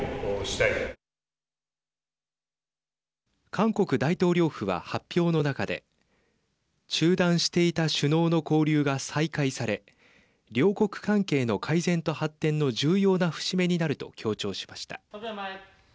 韓国大統領府は発表の中で中断していた首脳の交流が再開され両国関係の改善と発展の重要な節目になると強調しました。